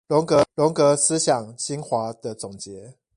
榮格思想精華的總結